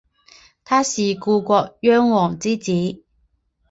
他是故国壤王之子。